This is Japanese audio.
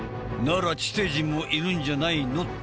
なら地底人もいるんじゃないの？